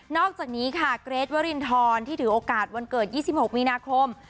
อกจากนี้ค่ะเกรทวรินทรที่ถือโอกาสวันเกิด๒๖มีนาคม